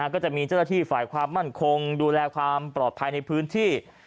ก็จะมีเจ้าหน้าที่ฝ่ายความมั่นคงดูแลความปลอดภัยในพื้นที่